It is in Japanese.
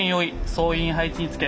総員配置につけ。